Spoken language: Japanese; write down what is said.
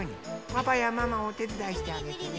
パパやママおてつだいしてあげてね。